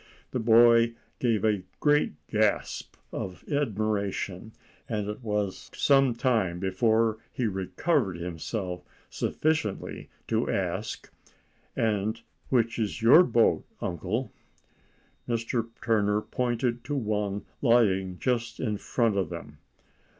The boy gave a great gasp of admiration, and it was some time before he recovered himself sufficiently to ask,— "And which is your boat, uncle?" Mr. Turner pointed to one lying just in front of them.